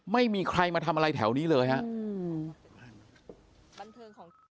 ไม่มีใครมาทำอะไรแถวนี้เลยครับ